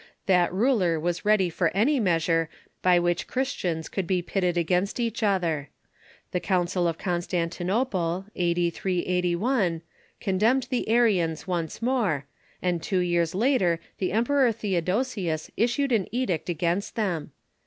That ruler was ready for any measure by which Christians could be pitted against each other. The Council of Constantinople, a.d. 381, condemned the Arians once more, and two years later the Em peror Theodosius issued an edict against them.